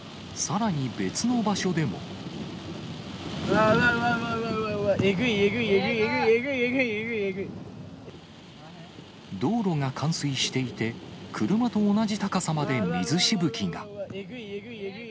さらに、うわうわうわうわ、えぐい、道路が冠水していて、車と同じ高さまで水しぶきが。